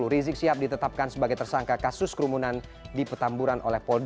rizik syihab ditetapkan sebagai tersangka kasus kerumunan di petamburan